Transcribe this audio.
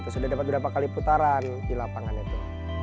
sudah dapat berapa kali putaran di lapangan itu